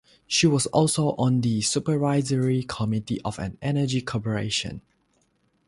She was also on the supervisory committee of an energy corporation.